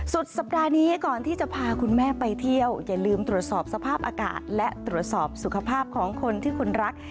สุดสัปดาห์นี้ก่อนที่จะพาคุณแม่ไปเที่ยวอย่าลืมตรวจสอบสภาพอากาศและตรวจสอบสุขภาพของคนที่คนรัก